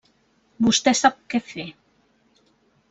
Vostè sap què fer.